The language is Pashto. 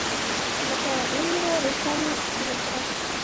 لکه ونېوه روسانو درونټه.